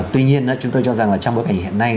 tuy nhiên chúng tôi cho rằng là trong bối cảnh hiện nay